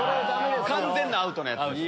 完全なアウトのやつです。